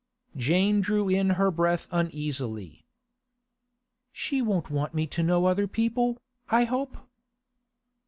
Jane drew in her breath uneasily. 'She won't want me to know other people, I hope?